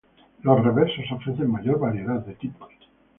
Los reversos ofrecen mayor variedad de tipos.